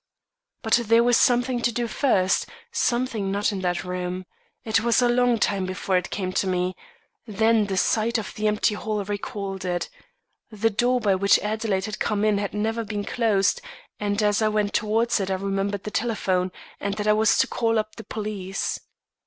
"But there was something to do first something not in that room. It was a long time before it came to me; then the sight of the empty hall recalled it. The door by which Adelaide had come in had never been closed, and as I went towards it I remembered the telephone, and that I was to call up the police.